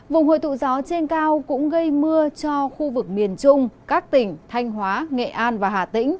vùng hồi tụ gió trên cao cũng gây mưa cho khu vực miền trung các tỉnh thanh hóa nghệ an và hà tĩnh